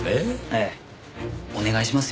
ええお願いしますよ。